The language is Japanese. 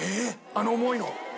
あの重いの？